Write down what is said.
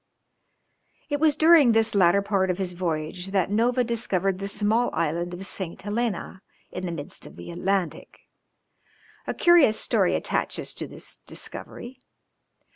It was during this latter part of his voyage that Nova discovered the small island of Saint Helena in the midst of the Atlantic. A curious story attaches to this discovery.